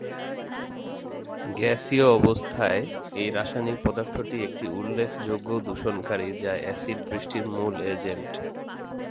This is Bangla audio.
গ্যাসীয় অবস্থায়, এই রাসায়নিক পদার্থটি একটি উল্লেখযোগ্য দূষণকারী, যা এসিড বৃষ্টির মূল এজেন্ট।